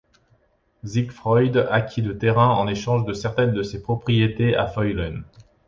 Sigefroid acquit le terrain en échange de certaines de ses propriétés à Feulen.